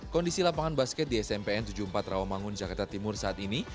kondisi lapangan basket di smpn tujuh puluh empat rawamangun jakarta timur saat ini